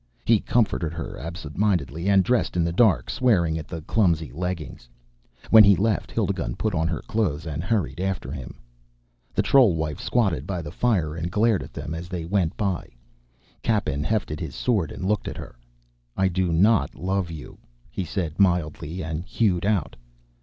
He comforted her, absentmindedly, and dressed in the dark, swearing at the clumsy leggings. When he left, Hildigund put on her clothes and hurried after him. The troll wife squatted by the fire and glared at them as they went by. Cappen hefted his sword and looked at her. "I do not love you," he said mildly, and hewed out.